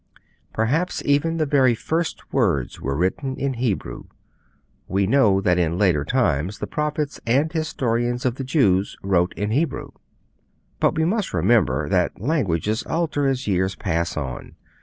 Perhaps even the very first words were written in Hebrew; we know that in later times the prophets and historians of the Jews wrote in Hebrew. But we must remember that languages alter as years pass on.